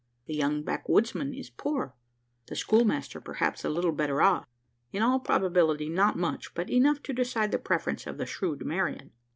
The young backwoodsman is poor; the schoolmaster perhaps a little better off; in all probability not much, but enough to decide the preference of the shrewd Marian."